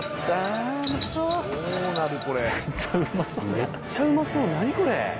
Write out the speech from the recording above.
めっちゃうまそう何これ？